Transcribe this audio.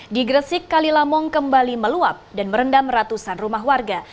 di gresik kalilamong kembali meluap dan merendam ratusan rumah warga